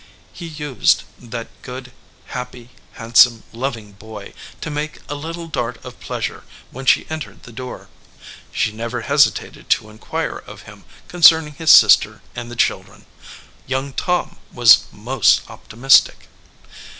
He used, that good, happy, handsome, lov ing boy, to make a little dart of pleasure when she entered the door. She never hesitated to inquire 13 EDGEWATER PEOPLE of him concerning his sister and the children. Young Tom was most optimistic.